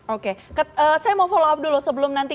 oke saya mau follow up dulu sebelum nanti